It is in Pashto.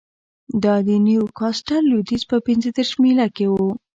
دا د نیوکاسټل لوېدیځ په پنځه دېرش میله کې و